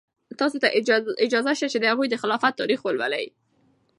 تاسو ته اجازه شته چې د هغوی د خلافت تاریخ ولولئ.